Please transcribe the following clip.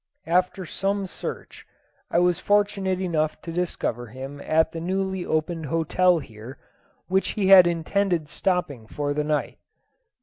After some search, I was fortunate enough to discover him at the newly opened hotel here, where he had intended stopping for the night.